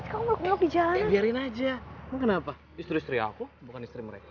sih kamu mau pijak biarin aja kenapa istri istri aku bukan istri mereka